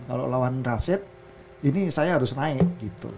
kalau lawan rasid ini saya harus naik gitu